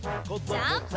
ジャンプ！